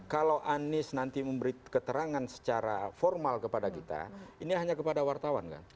kalau anies nanti memberi keterangan secara formal kepada kita ini hanya kepada wartawan kan